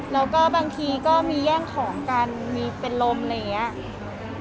แล้วก็บางทีก็มีแย่งของกันมีเป็นลมอะไรอย่างนี้